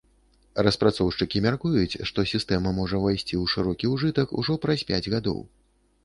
Распрацоўшчыкі мяркуюць, што сістэма можа ўвайсці ў шырокі ўжытак ужо праз пяць гадоў.